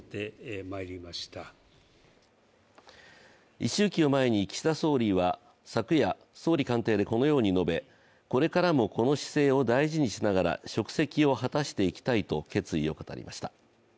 一周忌を前に岸田総理は昨夜、総理官邸でこのように述べこれからもこの姿勢を大事にしながら職責を果たしていきたいと決意を語りました。